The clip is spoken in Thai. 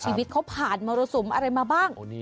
ชีวิตเขาผ่านมรสุมอะไรมาบ้าง